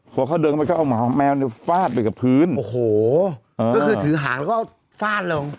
พอเขาเดินไปก็เอาแมวเนี่ยฟาดไปกับพื้นโอ้โหก็คือถือหางแล้วก็เอาฟาดลง